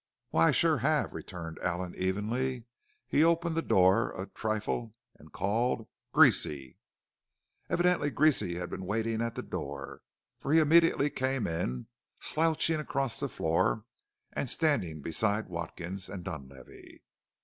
"Why, I sure have!" returned Allen evenly. He opened the door a trifle and called: "Greasy!" Evidently Greasy had been waiting at the door, for he immediately came in, slouching across the floor and standing beside Watkins and Dunlavey.